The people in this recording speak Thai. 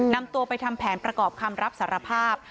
นำตัวไปทำแผนประกอบคำรับสารภาพ